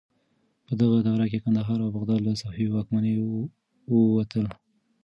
په دغه دوره کې کندهار او بغداد له صفوي واکمنۍ ووتل.